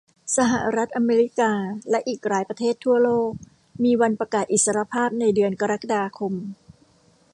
สหรัฐอเมริกาและอีกหลายประเทศทั่วโลกมีวันประกาศอิสรภาพในเดือนกรกฎาคม